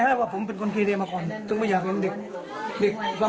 ตอนมาเป็นผู้นำอยู่ตั้งแต่ร็อกเล็กปี๔๐